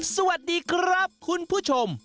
สวัสดีครับคุณผู้ชม